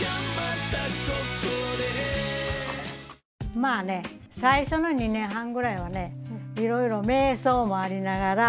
まあね最初の２年半ぐらいはねいろいろ迷走もありながら。